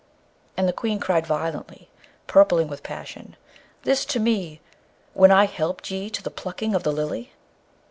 And the Queen cried violently, purpling with passion, 'This to me! when I helped ye to the plucking of the Lily?'